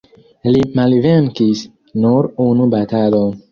Li malvenkis nur unu batalon.